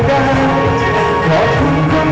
ขอบคุณทุกเรื่องราว